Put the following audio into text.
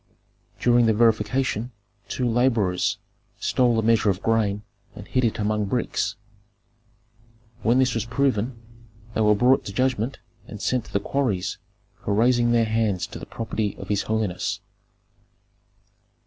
During the verification two laborers stole a measure of grain and hid it among bricks. When this was proven they were brought to judgment and sent to the quarries for raising their hands to the property of his holiness."